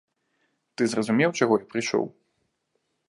Ты зразумеў, чаго я прыйшоў?